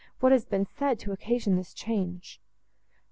—what has been said, to occasion this change?"